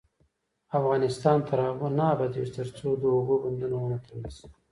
افغانستان تر هغو نه ابادیږي، ترڅو د اوبو بندونه ونه تړل شي.